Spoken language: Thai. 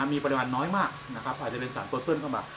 มีปริมาณน้อยมากอาจจะเป็นสารโปรเติ้ลเข้ามา